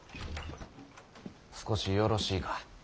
少しよろしいか。